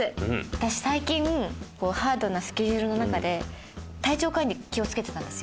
私、最近ハードなスケジュールの中で、体調管理、気をつけてたんですよ。